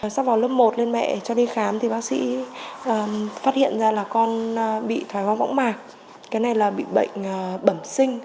sắp vào lớp một lên mẹ cho đi khám thì bác sĩ phát hiện ra là con bị thói vong bỗng mạc cái này là bị bệnh bẩm sinh